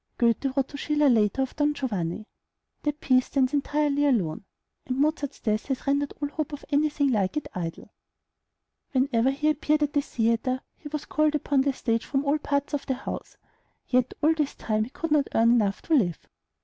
Goethe wrote to Schiller later of "Don Giovanni," "That piece stands entirely alone; and Mozart's death has rendered all hope of any thing like it idle." Whenever he appeared at the theatre, he was called upon the stage from all parts of the house; yet all this time he could not earn enough to live.